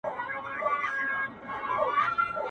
• مور هره شپه ژاړي پټه تل..